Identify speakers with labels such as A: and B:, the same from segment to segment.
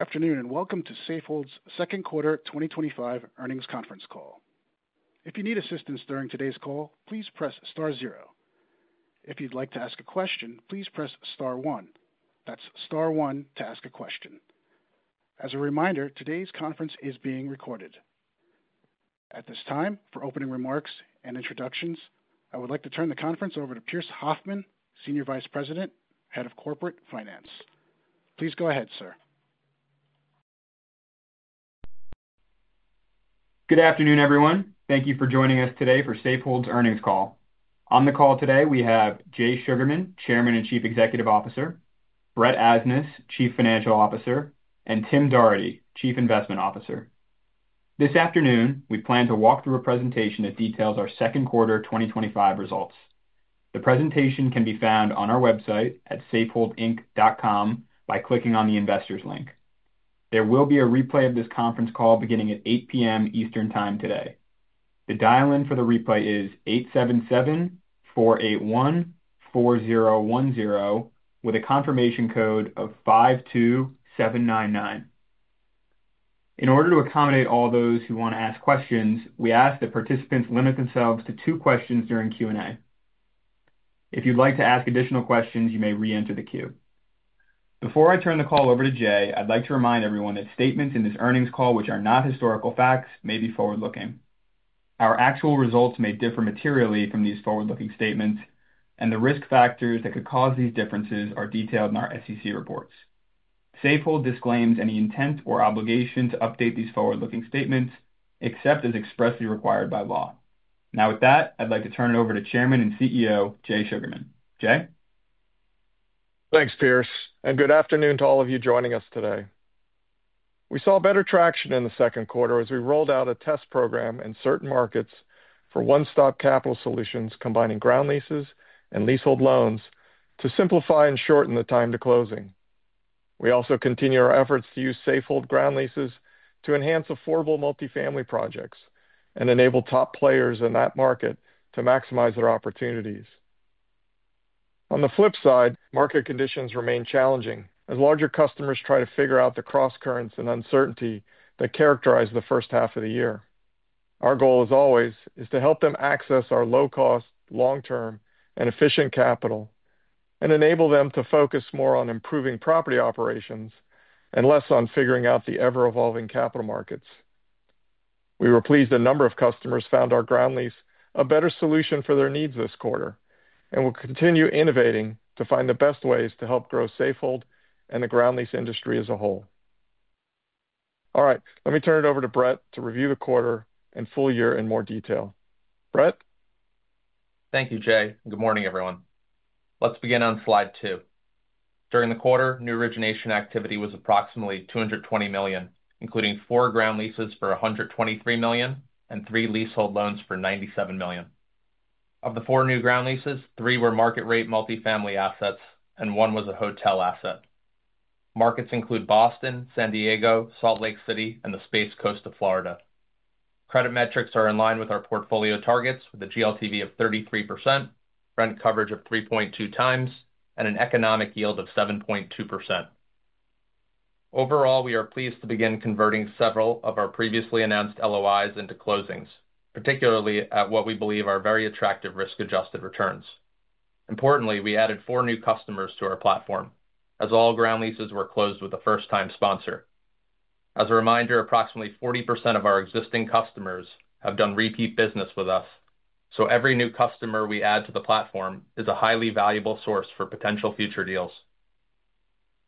A: Afternoon and welcome to Safehold's Second Quarter 2025 Earnings Conference Call. If you need assistance during today's call, please press star zero. If you'd like to ask a question, please press star one. That's star one to ask a question. As a reminder, today's conference is being recorded. At this time, for opening remarks and introductions, I would like to turn the conference over to Pearse Hoffmann, Senior Vice President, Head of Corporate Finance. Please go ahead, sir.
B: Good afternoon, everyone. Thank you for joining us today for Safehold's earnings call. On the call today, we have Jay Sugarman, Chairman and Chief Executive Officer, Brett Asnas, Chief Financial Officer, and Tim Doherty, Chief Investment Officer. This afternoon, we plan to walk through a presentation that details our second quarter 2025 results. The presentation can be found on our website at safeholdinc.com by clicking on the Investors link. There will be a replay of this conference call beginning at 8:00 P.M. Eastern Time today. The dial-in for the replay is 877-481-4010 with a confirmation code of 52799. In order to accommodate all those who want to ask questions, we ask that participants limit themselves to two questions during Q&A. If you'd like to ask additional questions, you may re-enter the queue. Before I turn the call over to Jay, I'd like to remind everyone that statements in this earnings call, which are not historical facts, may be forward-looking. Our actual results may differ materially from these forward-looking statements, and the risk factors that could cause these differences are detailed in our SEC reports. Safehold disclaims any intent or obligation to update these forward-looking statements except as expressly required by law. Now, with that, I'd like to turn it over to Chairman and CEO Jay Sugarman. Jay?
C: Thanks, Pearse, and good afternoon to all of you joining us today. We saw better traction in the second quarter as we rolled out a test program in certain markets for one-stop capital solutions, combining ground leases and leasehold loans to simplify and shorten the time to closing. We also continue our efforts to use Safehold ground leases to enhance affordable multifamily projects and enable top players in that market to maximize their opportunities. On the flip side, market conditions remain challenging as larger customers try to figure out the cross-currents and uncertainty that characterize the first half of the year. Our goal, as always, is to help them access our low-cost, long-term, and efficient capital and enable them to focus more on improving property operations and less on figuring out the ever-evolving capital markets. We were pleased a number of customers found our ground lease a better solution for their needs this quarter and will continue innovating to find the best ways to help grow Safehold and the ground lease industry as a whole. All right, let me turn it over to Brett to review the quarter and full year in more detail. Brett?
D: Thank you, Jay. Good morning, everyone. Let's begin on slide two. During the quarter, new origination activity was approximately $220 million, including four ground leases for $123 million and three leasehold loans for $97 million. Of the four new ground leases, three were market-rate multifamily assets and one was a hotel asset. Markets include Boston, San Diego, Salt Lake City, and the Space Coast of Florida. Credit metrics are in line with our portfolio targets with a GLTV of 33%, rent coverage of 3.2x, and an economic yield of 7.2%. Overall, we are pleased to begin converting several of our previously announced LOIs into closings, particularly at what we believe are very attractive risk-adjusted returns. Importantly, we added four new customers to our platform, as all ground leases were closed with a first-time sponsor. As a reminder, approximately 40% of our existing customers have done repeat business with us, so every new customer we add to the platform is a highly valuable source for potential future deals.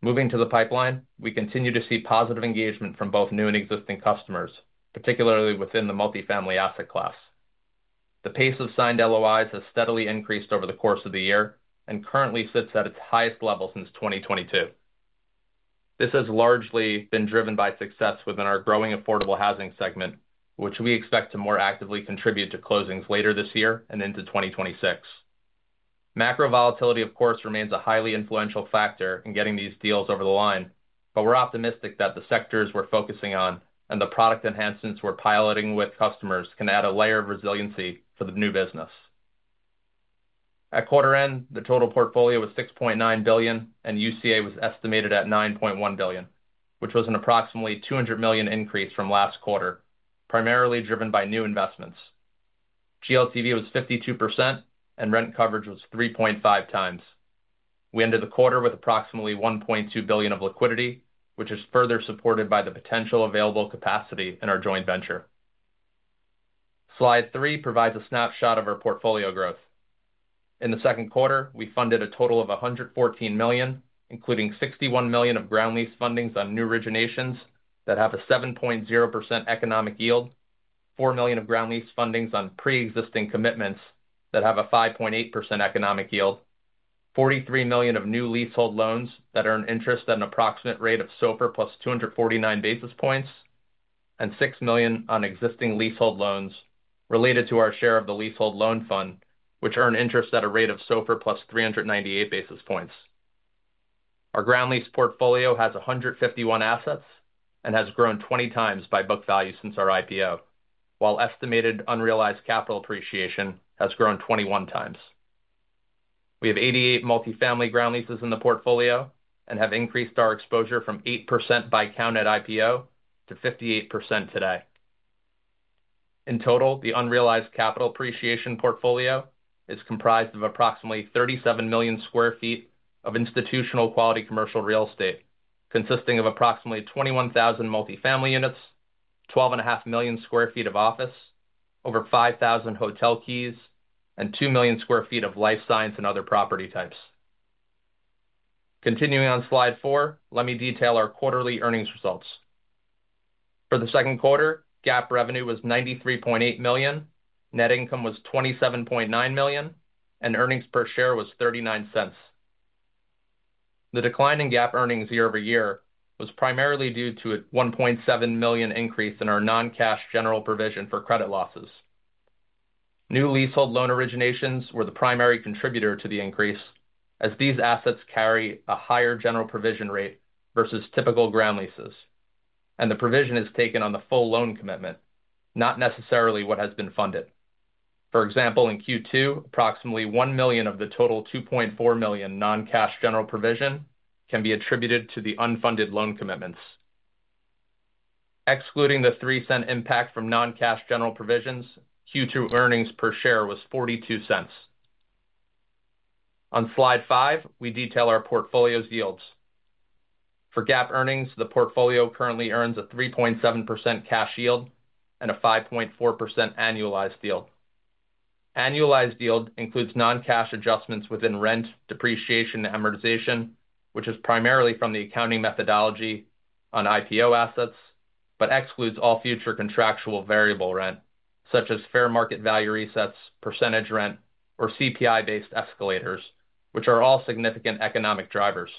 D: Moving to the pipeline, we continue to see positive engagement from both new and existing customers, particularly within the multifamily asset class. The pace of signed LOIs has steadily increased over the course of the year and currently sits at its highest level since 2022. This has largely been driven by success within our growing affordable housing segment, which we expect to more actively contribute to closings later this year and into 2026. Macro volatility, of course, remains a highly influential factor in getting these deals over the line, but we're optimistic that the sectors we're focusing on and the product enhancements we're piloting with customers can add a layer of resiliency to the new business. At quarter end, the total portfolio was $6.9 billion and UCA was estimated at $9.1 billion, which was an approximately $200 million increase from last quarter, primarily driven by new investments. GLTV was 52% and rent coverage was 3.5x. We ended the quarter with approximately $1.2 billion of liquidity, which is further supported by the potential available capacity in our joint venture. Slide three provides a snapshot of our portfolio growth. In the second quarter, we funded a total of $114 million, including $61 million of ground lease fundings on new originations that have a 7.0% economic yield, $4 million of ground lease fundings on pre-existing commitments that have a 5.8% economic yield, $43 million of new leasehold loans that earn interest at an approximate rate of SOFR +249 basis points, and $6 million on existing leasehold loans related to our share of the leasehold loan fund, which earn interest at a rate of SOFR +398 basis points. Our ground lease portfolio has 151 assets and has grown 20x by book value since our IPO, while estimated unrealized capital appreciation has grown 21x. We have 88 multifamily ground leases in the portfolio and have increased our exposure from 8% by count at IPO to 58% today. In total, the unrealized capital appreciation portfolio is comprised of approximately 37 million sq ft of institutional quality commercial real estate, consisting of approximately 21,000 multifamily units, 12.5 million sq ft of office, over 5,000 hotel keys, and 2 million sq ft of life science and other property types. Continuing on slide four, let me detail our quarterly earnings results. For the second quarter, GAAP revenue was $93.8 million, net income was $27.9 million, and earnings per share was $0.39. The decline in GAAP earnings year-over-year was primarily due to a $1.7 million increase in our non-cash general provision for credit losses. New leasehold loan originations were the primary contributor to the increase, as these assets carry a higher general provision rate versus typical ground leases, and the provision is taken on the full loan commitment, not necessarily what has been funded. For example, in Q2, approximately $1 million of the total $2.4 million non-cash general provision can be attributed to the unfunded loan commitments. Excluding the $0.03 impact from non-cash general provisions, Q2 earnings per share was $0.42. On slide five, we detail our portfolio's yields. For GAAP earnings, the portfolio currently earns a 3.7% cash yield and a 5.4% annualized yield. Annualized yield includes non-cash adjustments within rent, depreciation, and amortization, which is primarily from the accounting methodology on IPO assets, but excludes all future contractual variable rent, such as fair market value resets, percentage rent, or CPI-based escalators, which are all significant economic drivers.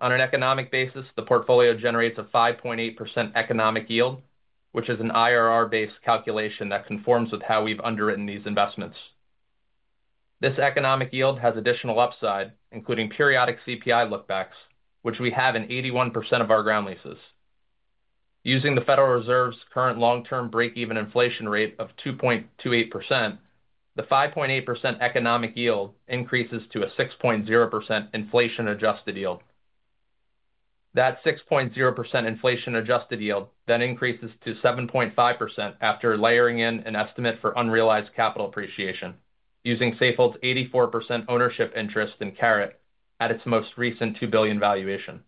D: On an economic basis, the portfolio generates a 5.8% economic yield, which is an IRR-based calculation that conforms with how we've underwritten these investments. This economic yield has additional upside, including periodic CPI lookbacks, which we have in 81% of our ground leases. Using the Federal Reserve's current long-term break-even inflation rate of 2.28%, the 5.8% economic yield increases to a 6.0% inflation-adjusted yield. That 6.0% inflation-adjusted yield then increases to 7.5% after layering in an estimate for unrealized capital appreciation using Safehold's 84% ownership interest in Caret at its most recent $2 billion valuation.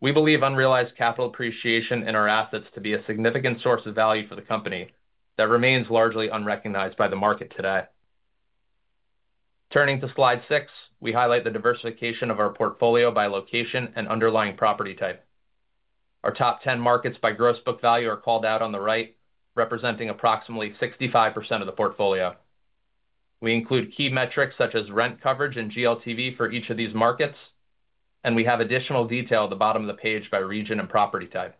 D: We believe unrealized capital appreciation in our assets to be a significant source of value for the company that remains largely unrecognized by the market today. Turning to slide six, we highlight the diversification of our portfolio by location and underlying property type. Our top 10 markets by gross book value are called out on the right, representing approximately 65% of the portfolio. We include key metrics such as rent coverage and GLTV for each of these markets, and we have additional detail at the bottom of the page by region and property type.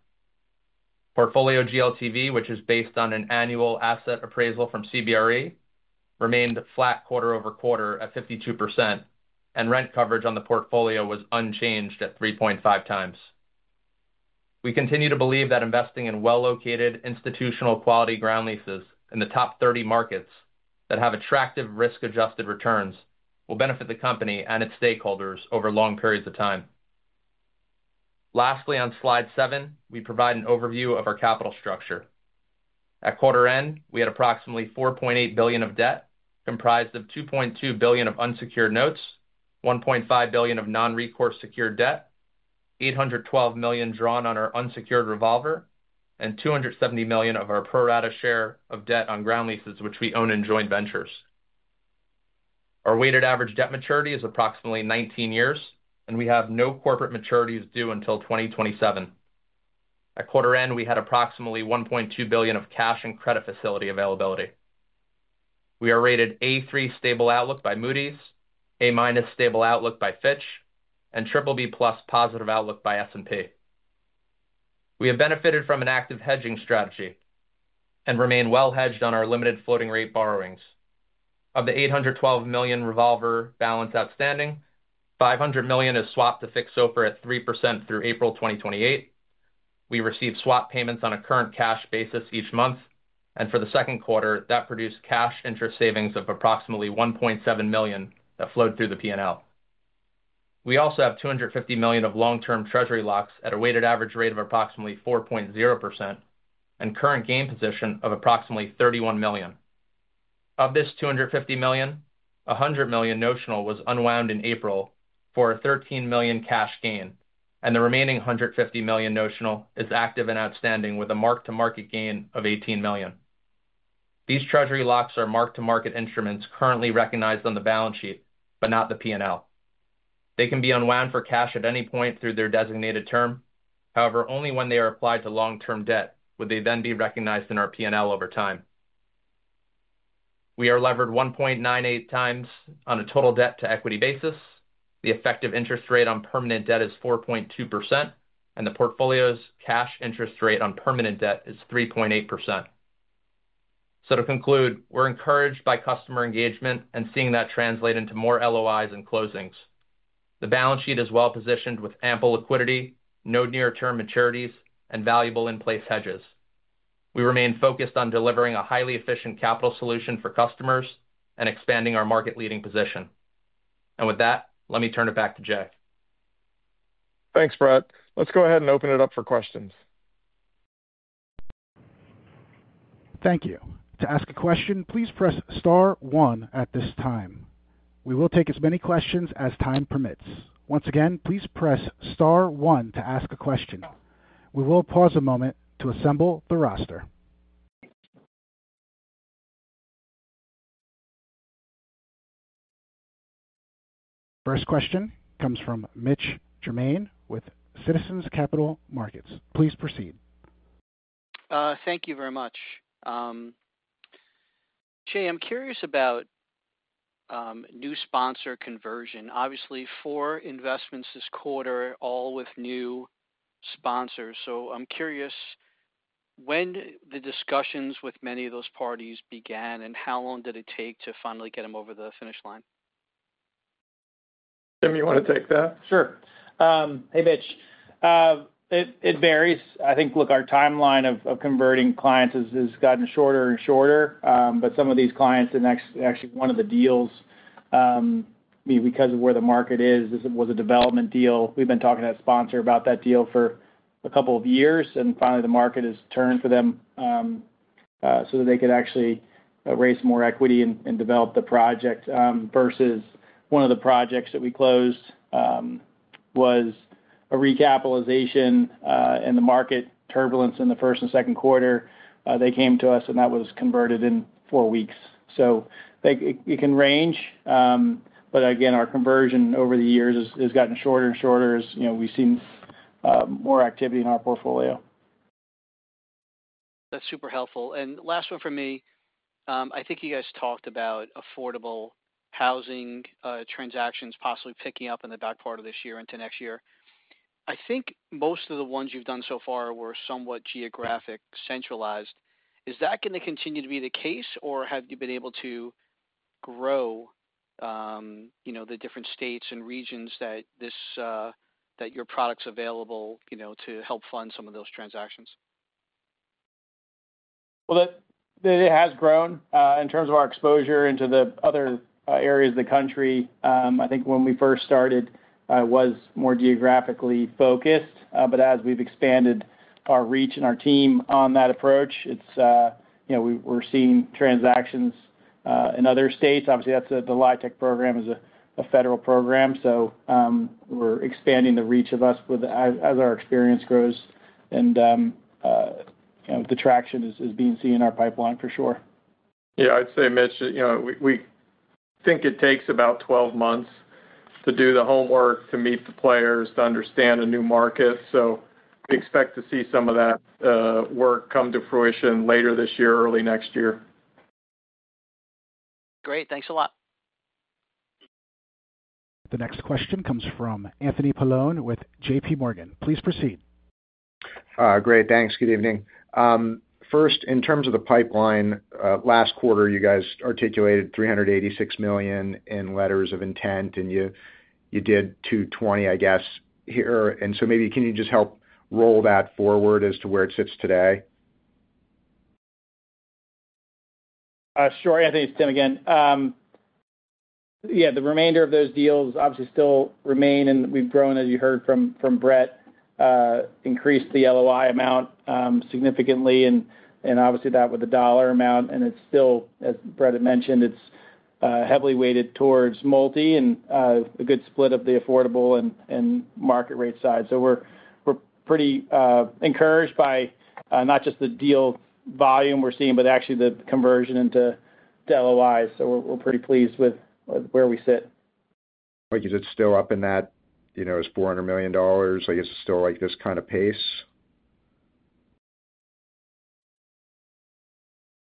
D: Portfolio GLTV, which is based on an annual asset appraisal from CBRE, remained flat quarter over quarter at 52%, and rent coverage on the portfolio was unchanged at 3.5x. We continue to believe that investing in well-located institutional quality ground leases in the top 30 markets that have attractive risk-adjusted returns will benefit the company and its stakeholders over long periods of time. Lastly, on slide seven, we provide an overview of our capital structure. At quarter end, we had approximately $4.8 billion of debt, comprised of $2.2 billion of unsecured notes, $1.5 billion of non-recourse secured debt, $812 million drawn on our unsecured revolver, and $270 million of our pro-rata share of debt on ground leases, which we own in joint ventures. Our weighted average debt maturity is approximately 19 years, and we have no corporate maturities due until 2027. At quarter end, we had approximately $1.2 billion of cash and credit facility availability. We are rated A3 stable outlook by Moody's, A- stable outlook by Fitch, and BBB+ positive outlook by S&P. We have benefited from an active hedging strategy and remain well hedged on our limited floating rate borrowings. Of the $812 million revolver balance outstanding, $500 million is swapped to fixed SOFR at 3% through April 2028. We receive swap payments on a current cash basis each month, and for the second quarter, that produced cash interest savings of approximately $1.7 million that flowed through the P&L. We also have $250 million of long-term treasury locks at a weighted average rate of approximately 4.0% and current gain position of approximately $31 million. Of this $250 million, $100 million notional was unwound in April for a $13 million cash gain, and the remaining $150 million notional is active and outstanding with a mark-to-market gain of $18 million. These treasury locks are mark-to-market instruments currently recognized on the balance sheet, but not the P&L. They can be unwound for cash at any point through their designated term. However, only when they are applied to long-term debt would they then be recognized in our P&L over time. We are levered 1.98x on a total debt to equity basis. The effective interest rate on permanent debt is 4.2%, and the portfolio's cash interest rate on permanent debt is 3.8%. We are encouraged by customer engagement and seeing that translate into more LOIs and closings. The balance sheet is well positioned with ample liquidity, no near-term maturities, and valuable in-place hedges. We remain focused on delivering a highly efficient capital solution for customers and expanding our market-leading position. With that, let me turn it back to Jay.
C: Thanks, Brett. Let's go ahead and open it up for questions.
A: Thank you. To ask a question, please press star one at this time. We will take as many questions as time permits. Once again, please press star one to ask a question. We will pause a moment to assemble the roster. First question comes from Mitch Germain with Citizens Capital Markets. Please proceed.
E: Thank you very much. Jay, I'm curious about new sponsor conversion. Obviously, four investments this quarter, all with new sponsors. I'm curious, when did the discussions with many of those parties begin, and how long did it take to finally get them over the finish line?
C: Tim, you want to take that?
F: Sure. Hey, Mitch. It varies. I think, look, our timeline of converting clients has gotten shorter and shorter, but some of these clients, and actually one of the deals, I mean, because of where the market is, was a development deal. We've been talking to that sponsor about that deal for a couple of years, and finally, the market has turned for them so that they could actually raise some more equity and develop the project. Versus one of the projects that we closed was a recapitalization in the market turbulence in the first and second quarter. They came to us, and that was converted in four weeks. It can range, but again, our conversion over the years has gotten shorter and shorter as we've seen more activity in our portfolio.
E: That's super helpful. Last one from me. I think you guys talked about affordable housing transactions possibly picking up in the back part of this year into next year. I think most of the ones you've done so far were somewhat geographic centralized. Is that going to continue to be the case, or have you been able to grow the different states and regions that your product's available to help fund some of those transactions?
F: It has grown in terms of our exposure into the other areas of the country. I think when we first started, it was more geographically focused, but as we've expanded our reach and our team on that approach, we're seeing transactions in other states. Obviously, the LIHTC program is a federal program, so we're expanding the reach of us as our experience grows, and the traction is being seen in our pipeline for sure.
C: Yeah, I'd say, Mitch, you know we think it takes about 12 months to do the homework, to meet the players, to understand a new market. We expect to see some of that work come to fruition later this year, early next year.
E: Great, thanks a lot.
A: The next question comes from Anthony Paolone with JPMorgan. Please proceed.
G: Great, thanks. Good evening. First, in terms of the pipeline, last quarter, you guys articulated $386 million in letters of intent, and you did $220 million, I guess, here. Maybe can you just help roll that forward as to where it sits today?
F: Sure. Yeah, thanks, Tim, again. The remainder of those deals obviously still remain, and we've grown, as you heard from Brett, increased the LOI amount significantly. With the dollar amount, and it's still, as Brett had mentioned, it's heavily weighted towards multifamily and a good split of the affordable and market rate side. We're pretty encouraged by not just the deal volume we're seeing, but actually the conversion into LOIs. We're pretty pleased with where we sit.
G: Is it still up in that, you know, it's $400 million? Is it still like this kind of pace?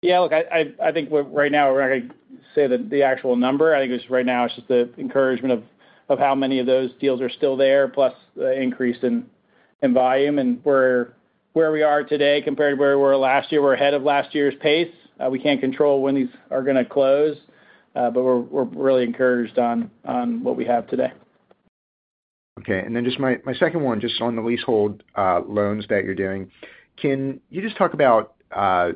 F: Yeah, look, I think right now we're not going to say the actual number. I think right now, it's just the encouragement of how many of those deals are still there, plus the increase in volume. Where we are today compared to where we were last year, we're ahead of last year's pace. We can't control when these are going to close, but we're really encouraged on what we have today.
G: Okay. Just my second one, just on the leasehold loans that you're doing, can you just talk about, are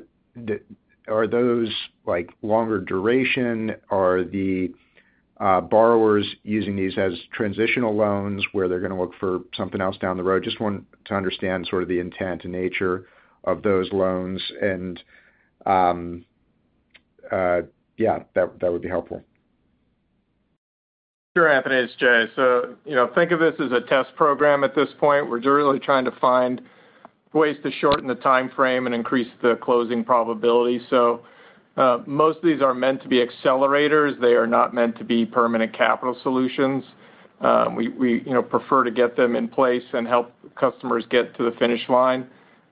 G: those like longer duration? Are the borrowers using these as transitional loans where they're going to look for something else down the road? Just want to understand sort of the intent and nature of those loans. That would be helpful.
C: Sure, Anthony, it's Jay. Think of this as a test program at this point. We're really trying to find ways to shorten the timeframe and increase the closing probability. Most of these are meant to be accelerators. They are not meant to be permanent capital solutions. We prefer to get them in place and help customers get to the finish line.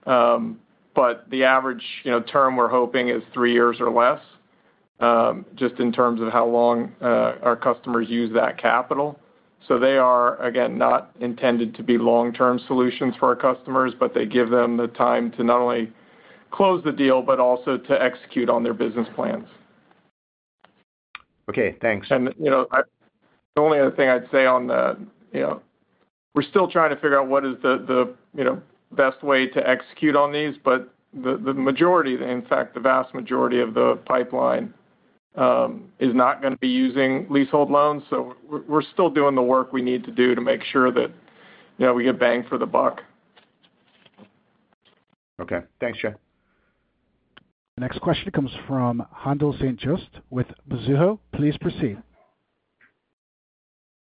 C: The average term we're hoping is three years or less, just in terms of how long our customers use that capital. They are, again, not intended to be long-term solutions for our customers, but they give them the time to not only close the deal, but also to execute on their business plans.
G: Okay, thanks.
C: The only other thing I'd say is we're still trying to figure out what is the best way to execute on these, but the majority, in fact, the vast majority of the pipeline is not going to be using leasehold loans. We're still doing the work we need to do to make sure that we get bang for the buck.
G: Okay, thanks, Jay.
A: The next question comes from Handel St. Juste with Mizuho Securities USA LLC. Please proceed.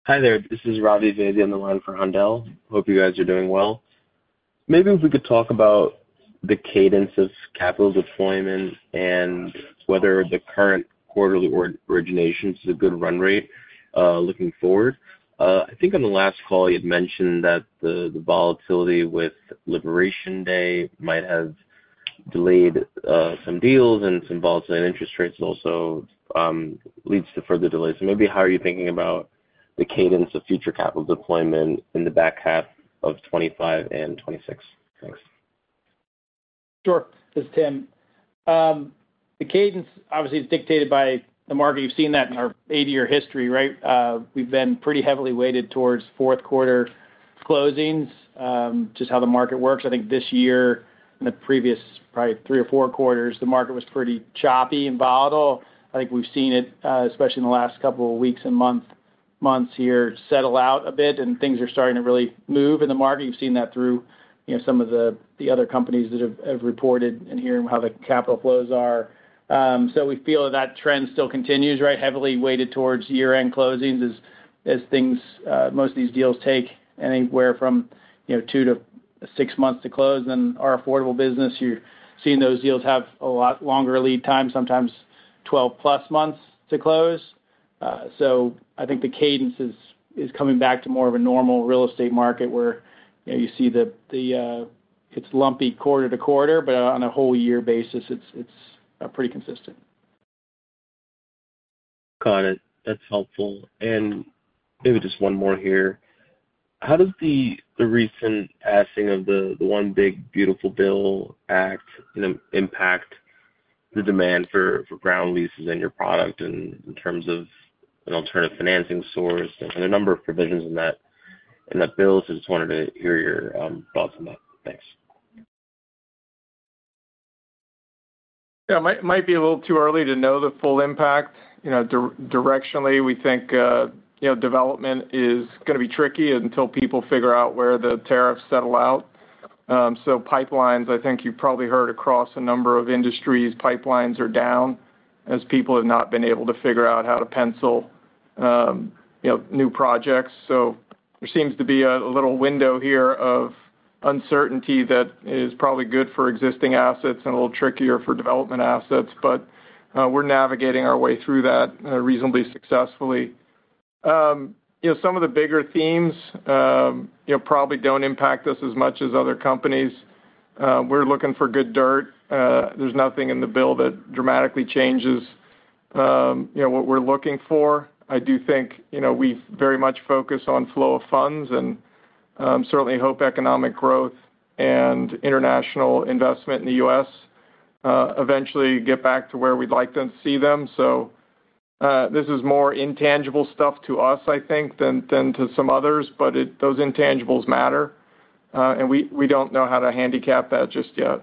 H: Hi there. This is Ravi Vaidya on the line for Handel. Hope you guys are doing well. Maybe if we could talk about the cadence of capital deployment and whether the current quarterly originations is a good run rate looking forward. I think on the last call, you had mentioned that the volatility with Liberation Day might have delayed some deals, and some volatile interest rates also lead to further delays. Maybe how are you thinking about the cadence of future capital deployment in the back half of 2025 and 2026? Thanks.
F: Sure. This is Tim. The cadence obviously is dictated by the market. You've seen that in our 80-year history, right? We've been pretty heavily weighted towards fourth quarter closings, just how the market works. I think this year and the previous probably three or four quarters, the market was pretty choppy and volatile. I think we've seen it, especially in the last couple of weeks and months here, settle out a bit and things are starting to really move in the market. You've seen that through some of the other companies that have reported and hearing how the capital flows are. We feel that that trend still continues, right? Heavily weighted towards year-end closings as things, most of these deals take anywhere from two to six months to close. Our affordable business, you're seeing those deals have a lot longer lead times, sometimes 12+ months to close. I think the cadence is coming back to more of a normal real estate market where you see it's lumpy quarter to quarter, but on a whole year basis, it's pretty consistent.
H: Got it. That's helpful. Maybe just one more here. How does the recent passing of the One Big Beautiful Bill Act impact the demand for ground leases and your product in terms of an alternative financing source and a number of provisions in that bill? I just wanted to hear your thoughts on that. Thanks.
C: Yeah, it might be a little too early to know the full impact. Directionally, we think development is going to be tricky until people figure out where the tariffs settle out. Pipelines, I think you've probably heard across a number of industries, are down as people have not been able to figure out how to pencil new projects. There seems to be a little window here of uncertainty that is probably good for existing assets and a little trickier for development assets, but we're navigating our way through that reasonably successfully. Some of the bigger themes probably don't impact us as much as other companies. We're looking for good dirt. There's nothing in the bill that dramatically changes what we're looking for. I do think we very much focus on flow of funds and certainly hope economic growth and international investment in the U.S. eventually get back to where we'd like to see them. This is more intangible stuff to us, I think, than to some others, but those intangibles matter. We don't know how to handicap that just yet.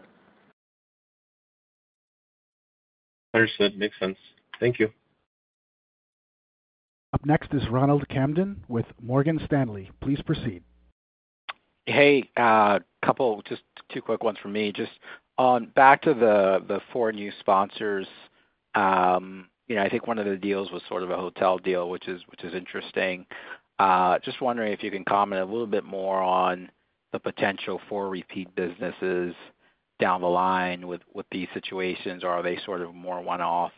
H: Understood. Makes sense. Thank you.
A: Up next is Ronald Kamdem with Morgan Stanley. Please proceed.
I: Hey, a couple, just two quick ones from me. Just on back to the four new sponsors, you know, I think one of the deals was sort of a hotel deal, which is interesting. Just wondering if you can comment a little bit more on the potential for repeat business down the line with these situations, or are they sort of more one-off?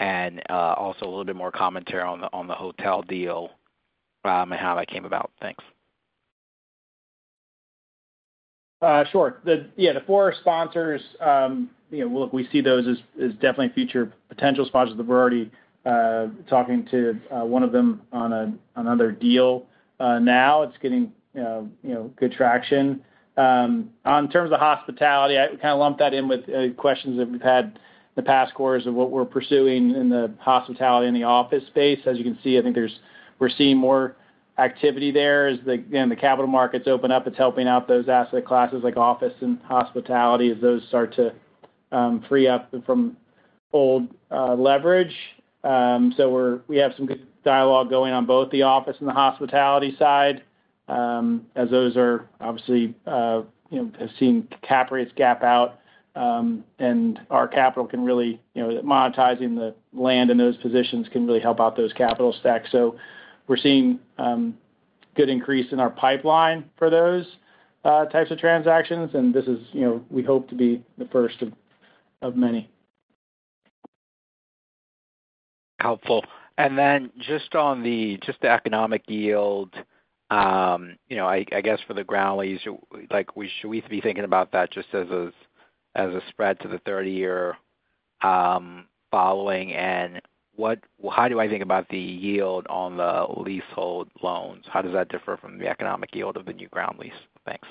I: Also, a little bit more commentary on the hotel deal and how that came about. Thanks.
F: Sure. Yeah, the four sponsors, you know, look, we see those as definitely future potential sponsors. We're already talking to one of them on another deal now. It's getting good traction. In terms of hospitality, I kind of lumped that in with questions that we've had in the past quarters of what we're pursuing in the hospitality and the office space. As you can see, I think we're seeing more activity there. As the capital markets open up, it's helping out those asset classes like office and hospitality as those start to free up from old leverage. We have some dialogue going on both the office and the hospitality side as those are obviously seeing cap rates gap out, and our capital can really, you know, monetizing the land in those positions can really help out those capital stacks. We're seeing a good increase in our pipeline for those types of transactions. This is, you know, we hope to be the first of many.
I: Helpful. Just on the economic yield, should we be thinking about that just as a spread to the 30-year following? How do I think about the yield on the leasehold loans? How does that differ from the economic yield of the new ground lease? Thanks.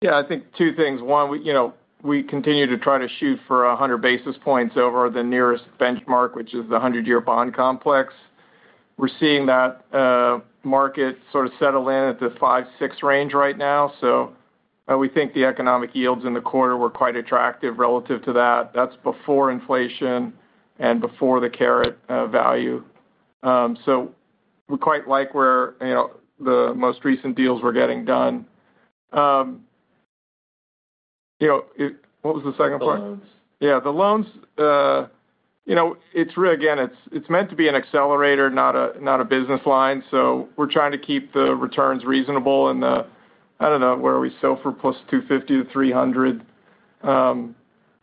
C: Yeah, I think two things. One, you know, we continue to try to shoot for 100 basis points over the nearest benchmark, which is the 100-year bond complex. We're seeing that market sort of settle in at the 5%, 6% range right now. We think the economic yields in the quarter were quite attractive relative to that. That's before inflation and before the carrot value. We quite like where, you know, the most recent deals were getting done. You know, what was the second part?
I: The loans.
C: Yeah, the loans. You know, it's really, again, it's meant to be an accelerator, not a business line. We're trying to keep the returns reasonable. Where are we? SOFR +250 to 300. I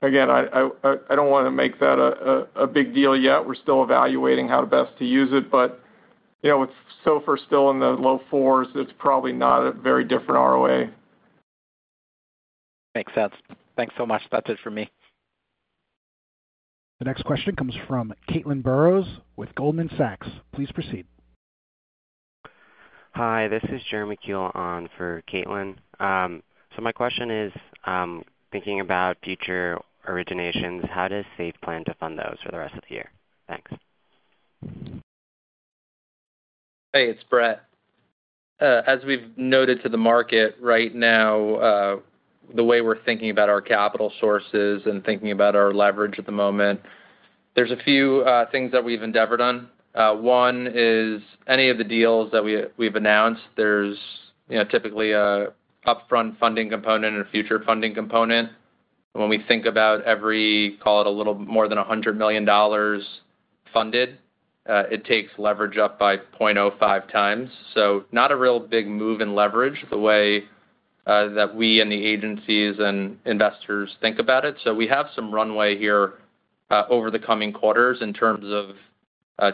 C: don't want to make that a big deal yet. We're still evaluating how best to use it. You know, with SOFR still in the low fours, it's probably not a very different ROA.
I: Makes sense. Thanks so much. That's it for me.
A: The next question comes from Caitlin Burrows with Goldman Sachs Group. Please proceed.
J: Hi, this is Jeremy Michael Kuhl on for Caitlin. My question is, thinking about future originations, how does Safehold plan to fund those for the rest of the year? Thanks.
F: Hey, it's Brett. As we've noted to the market right now, the way we're thinking about our capital sources and thinking about our leverage at the moment, there's a few things that we've endeavored on. One is any of the deals that we've announced, there's typically an upfront funding component and a future funding component. When we think about every, call it a little more than $100 million funded, it takes leverage up by 0.05x. Not a real big move in leverage the way that we and the agencies and investors think about it. We have some runway here over the coming quarters in terms of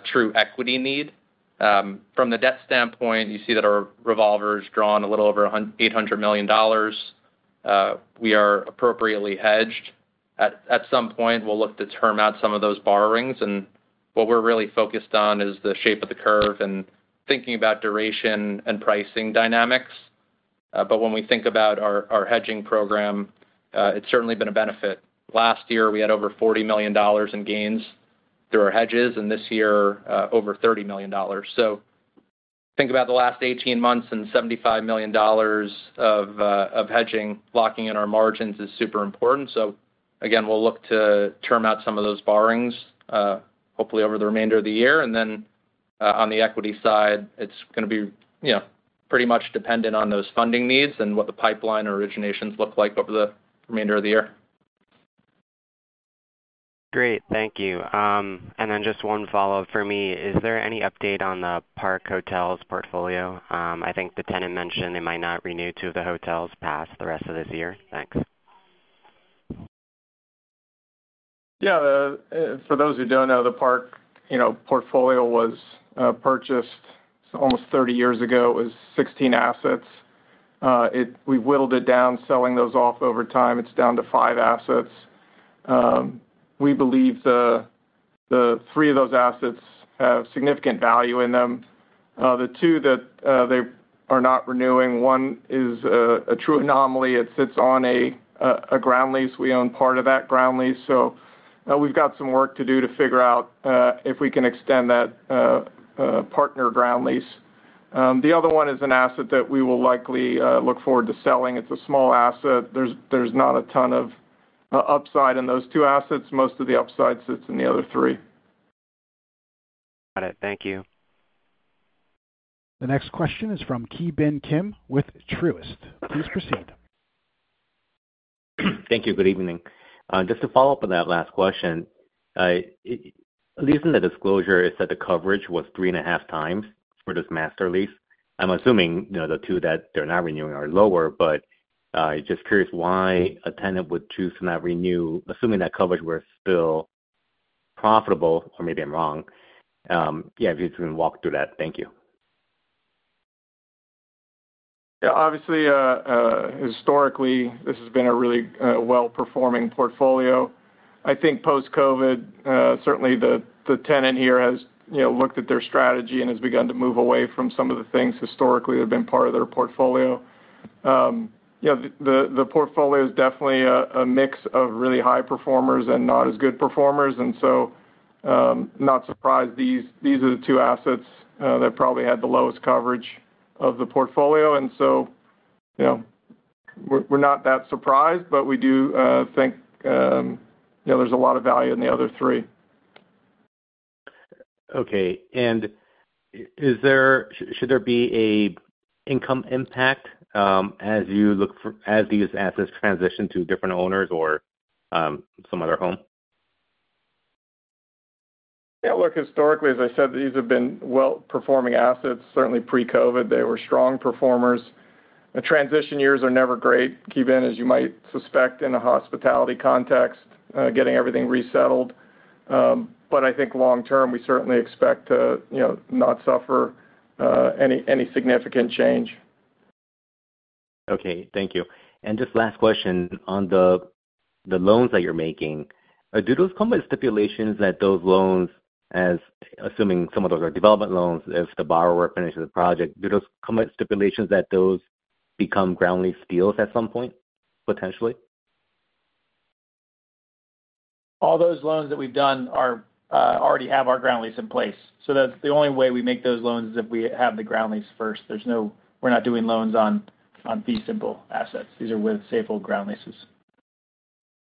F: true equity need. From the debt standpoint, you see that our revolver is drawn a little over $800 million. We are appropriately hedged. At some point, we'll look to term out some of those borrowings. What we're really focused on is the shape of the curve and thinking about duration and pricing dynamics. When we think about our hedging program, it's certainly been a benefit. Last year, we had over $40 million in gains through our hedges, and this year, over $30 million. Think about the last 18 months and $75 million of hedging locking in our margins is super important. We'll look to term out some of those borrowings, hopefully over the remainder of the year. On the equity side, it's going to be pretty much dependent on those funding needs and what the pipeline originations look like over the remainder of the year.
J: Great, thank you. Just one follow-up for me. Is there any update on the Park Hotels portfolio? I think the tenant mentioned they might not renew two of the hotels past the rest of this year. Thanks.
C: Yeah, for those who don't know, the Park portfolio was purchased almost 30 years ago. It was 16 assets. We whittled it down, selling those off over time. It's down to five assets. We believe three of those assets have significant value in them. The two that they are not renewing, one is a true anomaly. It sits on a ground lease. We own part of that ground lease, so we've got some work to do to figure out if we can extend that partner ground lease. The other one is an asset that we will likely look forward to selling. It's a small asset. There's not a ton of upside in those two assets. Most of the upside sits in the other three.
J: Got it. Thank you.
A: The next question is from Ki Bin Kim with Truist Securities. Please proceed.
K: Thank you. Good evening. Just to follow up on that last question, at least in the disclosure, it said the coverage was 3.5x for this master lease. I'm assuming the two that they're not renewing are lower, but I'm just curious why a tenant would choose to not renew, assuming that coverage were still profitable, or maybe I'm wrong. Yeah, if you can walk through that. Thank you.
C: Yeah, obviously, historically, this has been a really well-performing portfolio. I think post-COVID, certainly the tenant here has looked at their strategy and has begun to move away from some of the things historically that have been part of their portfolio. The portfolio is definitely a mix of really high performers and not as good performers. I'm not surprised. These are the two assets that probably had the lowest coverage of the portfolio. We're not that surprised, but we do think there's a lot of value in the other three.
K: Should there be an income impact as these assets transition to different owners or some other home?
C: Yeah, look, historically, as I said, these have been well-performing assets. Certainly, pre-COVID, they were strong performers. The transition years are never great, Kevin, as you might suspect in a hospitality context, getting everything resettled. I think long-term, we certainly expect to not suffer any significant change.
K: Okay, thank you. Just last question on the loans that you're making. Do those come with stipulations that those loans, assuming some of those are development loans, if the borrower finishes the project, do those come with stipulations that those become ground lease deals at some point, potentially?
F: All those loans that we've done already have our ground lease in place. The only way we make those loans is if we have the ground lease first. We're not doing loans on these simple assets. These are with Safehold ground leases.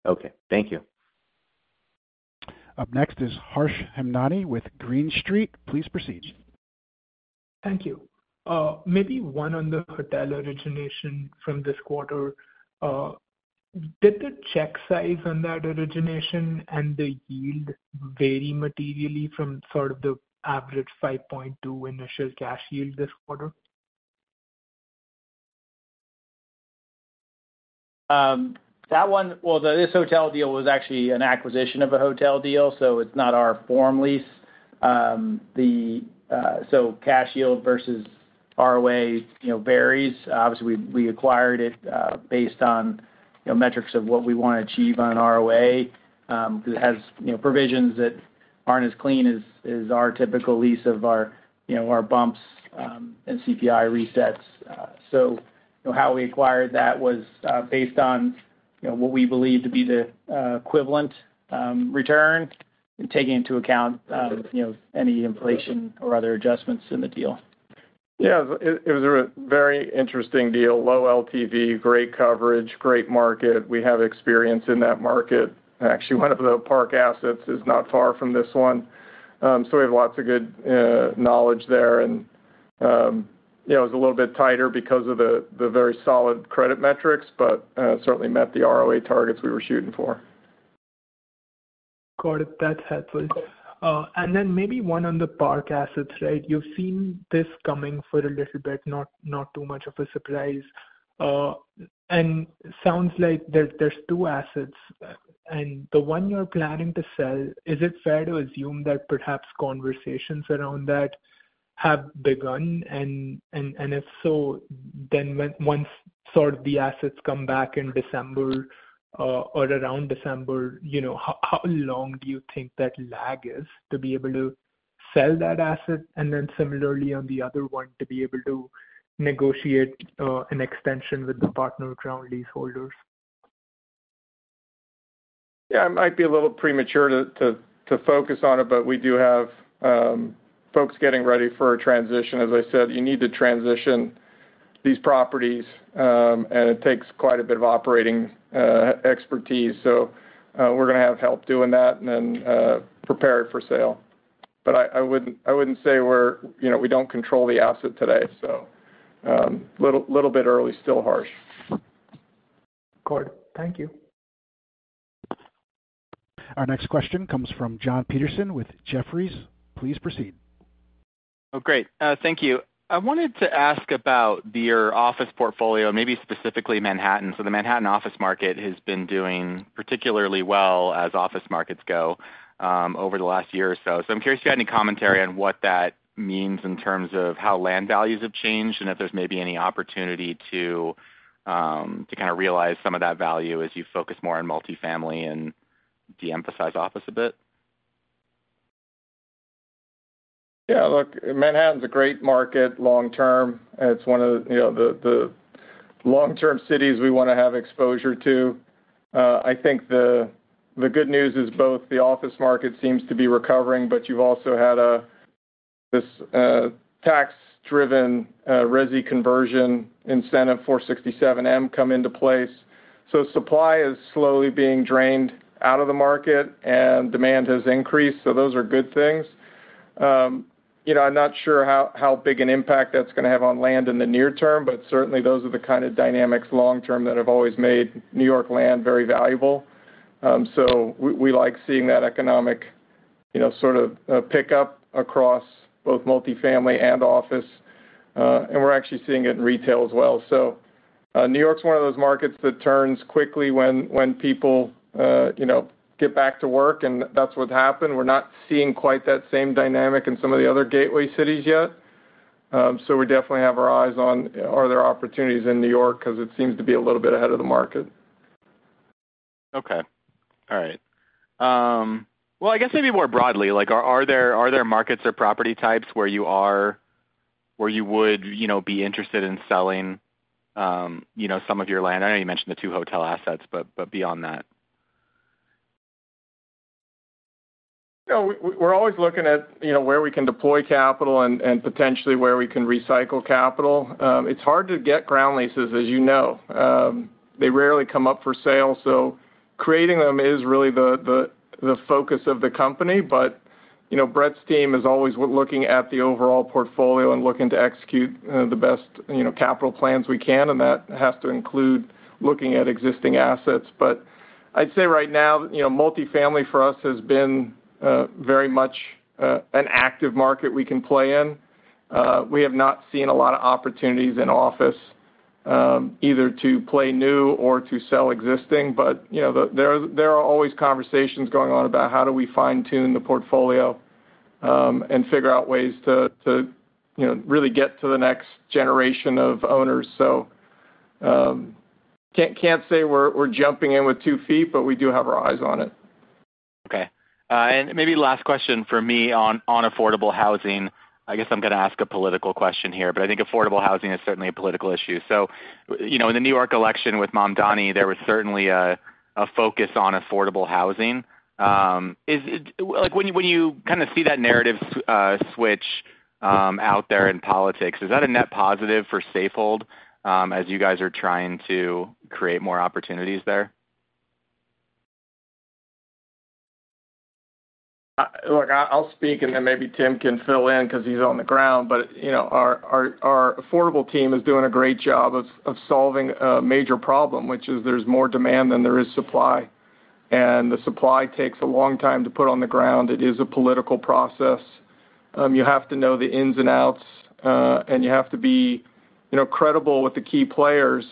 K: Okay, thank you.
A: Up next is Harsh Hemnani with Green Street Advisors. Please proceed.
L: Thank you. Maybe one on the hotel origination from this quarter. Did the check size on that origination and the yield vary materially from sort of the average 5.2% initial cash yield this quarter?
F: That one, this hotel deal was actually an acquisition of a hotel deal. It's not our form lease, so cash yield versus ROA varies. Obviously, we acquired it based on metrics of what we want to achieve on an ROA because it has provisions that aren't as clean as our typical lease of our bumps and CPI resets. How we acquired that was based on what we believed to be the equivalent return and taking into account any inflation or other adjustments in the deal.
C: Yeah, it was a very interesting deal. Low LTV, great coverage, great market. We have experience in that market. Actually, one of the Park Hotels assets is not far from this one. We have lots of good knowledge there. It was a little bit tighter because of the very solid credit metrics, but certainly met the ROA targets we were shooting for.
L: Got it. That's helpful. Maybe one on the Park assets, right? You've seen this coming for a little bit, not too much of a surprise. It sounds like there's two assets, and the one you're planning to sell, is it fair to assume that perhaps conversations around that have begun? If so, once the assets come back in December or around December, how long do you think that lag is to be able to sell that asset? Similarly, on the other one, to be able to negotiate an extension with the partner ground leaseholders?
C: Yeah, it might be a little premature to focus on it, but we do have folks getting ready for a transition. As I said, you need to transition these properties, and it takes quite a bit of operating expertise. We are going to have help doing that and then prepare it for sale. I wouldn't say we're, you know, we don't control the asset today. A little bit early, still Harsh.
L: Good, thank you.
A: Our next question comes from Jon Petersen with Jefferies. Please proceed.
M: Oh, great. Thank you. I wanted to ask about your office portfolio, maybe specifically Manhattan. The Manhattan office market has been doing particularly well as office markets go over the last year or so. I'm curious if you had any commentary on what that means in terms of how land values have changed and if there's maybe any opportunity to kind of realize some of that value as you focus more on multifamily and de-emphasize office a bit.
C: Yeah, look, Manhattan's a great market long-term. It's one of the long-term cities we want to have exposure to. I think the good news is both the office market seems to be recovering, but you've also had this tax-driven RESI conversion incentive, 467-m, come into place. Supply is slowly being drained out of the market, and demand has increased. Those are good things. I'm not sure how big an impact that's going to have on land in the near term, but certainly those are the kind of dynamics long-term that have always made New York land very valuable. We like seeing that economic sort of pickup across both multifamily and office. We're actually seeing it in retail as well. New York's one of those markets that turns quickly when people get back to work, and that's what happened. We're not seeing quite that same dynamic in some of the other gateway cities yet. We definitely have our eyes on, are there opportunities in New York because it seems to be a little bit ahead of the market.
M: Okay. All right. I guess maybe more broadly, are there markets or property types where you would be interested in selling some of your land? I know you mentioned the two hotel assets, but beyond that.
C: We're always looking at where we can deploy capital and potentially where we can recycle capital. It's hard to get ground leases, as you know. They rarely come up for sale. Creating them is really the focus of the company. Brett's team is always looking at the overall portfolio and looking to execute the best capital plans we can. That has to include looking at existing assets. I'd say right now, multifamily for us has been very much an active market we can play in. We have not seen a lot of opportunities in office either to play new or to sell existing. There are always conversations going on about how do we fine-tune the portfolio and figure out ways to really get to the next generation of owners. Can't say we're jumping in with two feet, but we do have our eyes on it.
M: Okay. Maybe last question for me on affordable housing. I guess I'm going to ask a political question here, but I think affordable housing is certainly a political issue. In the New York election with Mamdani there was certainly a focus on affordable housing. When you kind of see that narrative switch out there in politics, is that a net positive for Safehold as you guys are trying to create more opportunities there?
C: Look, I'll speak and then maybe Tim can fill in because he's on the ground. You know our affordable team is doing a great job of solving a major problem, which is there's more demand than there is supply. The supply takes a long time to put on the ground. It is a political process. You have to know the ins and outs, and you have to be credible with the key players.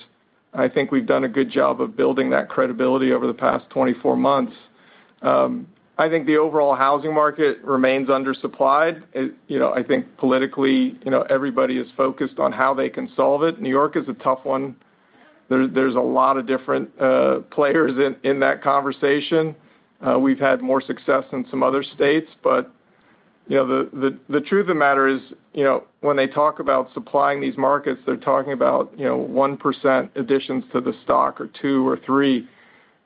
C: I think we've done a good job of building that credibility over the past 24 months. I think the overall housing market remains undersupplied. I think politically, everybody is focused on how they can solve it. New York is a tough one. There's a lot of different players in that conversation. We've had more success than some other states. The truth of the matter is, when they talk about supplying these markets, they're talking about 1% additions to the stock or two or three.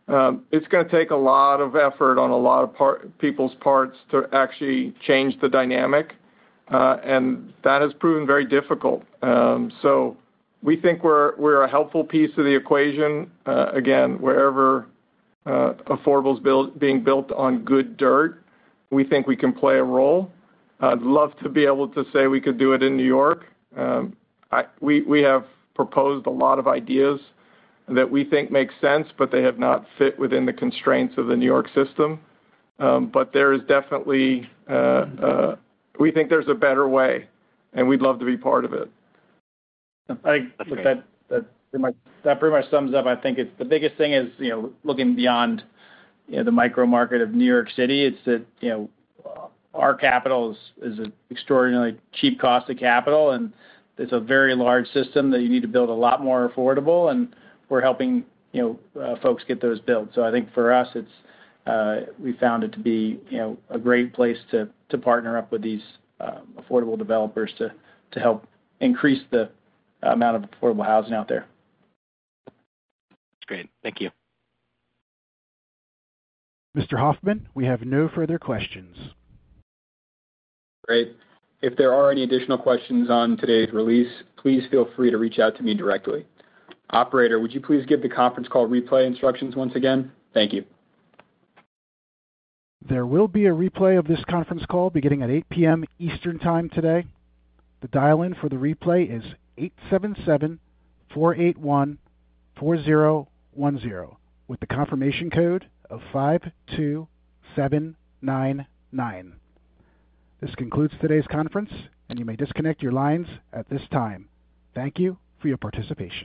C: It's going to take a lot of effort on a lot of people's parts to actually change the dynamic. That has proven very difficult. We think we're a helpful piece of the equation. Wherever affordable is being built on good dirt, we think we can play a role. I'd love to be able to say we could do it in New York. We have proposed a lot of ideas that we think make sense, but they have not fit within the constraints of the New York system. There is definitely, we think there's a better way, and we'd love to be part of it.
F: That pretty much sums up. I think the biggest thing is looking beyond the micro market of New York City. It's that our capital is an extraordinarily cheap cost of capital, and it's a very large system that you need to build a lot more affordable. We're helping folks get those built. I think for us, we found it to be a great place to partner up with these affordable developers to help increase the amount of affordable housing out there.
M: Great. Thank you.
A: Mr. Hoffmann, we have no further questions.
B: Great. If there are any additional questions on today's release, please feel free to reach out to me directly. Operator, would you please give the conference call replay instructions once again? Thank you.
A: There will be a replay of this conference call beginning at 8:00 P.M. Eastern Time today. The dial-in for the replay is 877-481-4010 with the confirmation code of 52799. This concludes today's conference, and you may disconnect your lines at this time. Thank you for your participation.